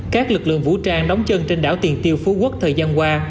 các lực lượng vũ trang đóng chân trên đảo tiền tiêu phú quốc thời gian qua